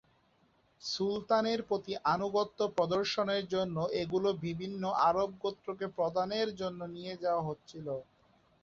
সুলতানের প্রতি আনুগত্য প্রদর্শনের জন্য এগুলো বিভিন্ন আরব গোত্রকে প্রদানের জন্য নিয়ে যাওয়া হচ্ছিল।